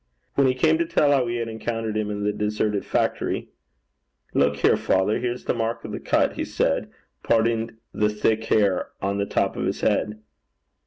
When he came to tell how he had encountered him in the deserted factory: 'Luik here, father, here's the mark o' the cut,' he said, parting the thick hair on the top of his head.